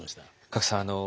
加来さん